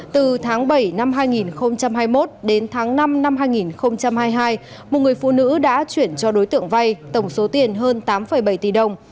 từ tháng bảy năm hai nghìn hai mươi một đến tháng năm năm hai nghìn hai mươi hai một người phụ nữ đã chuyển cho đối tượng vay tổng số tiền hơn tám bảy tỷ đồng